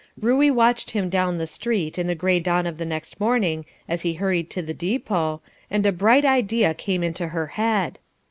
Ruey watched him down the street in the gray dawn of the next morning as he hurried to the depot, and a bright idea came into her head.